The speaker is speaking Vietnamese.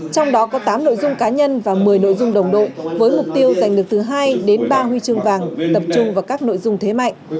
trong đó có tám nội dung cá nhân và một mươi nội dung đồng đội với mục tiêu giành được từ hai đến ba huy chương vàng tập trung vào các nội dung thế mạnh